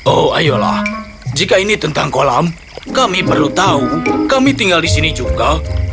oh ayolah jika ini tentang kolam kami perlu tahu kami tinggal di sini juga